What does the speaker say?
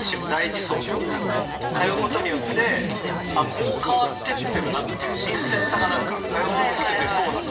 通うことによってあこう変わってってるなっていう新鮮さが通うことで出そうだから。